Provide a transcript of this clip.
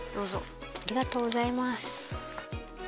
ありがとうございます。